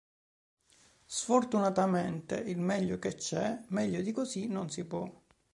Sfortunatamente il meglio che c'è, meglio di così non si può".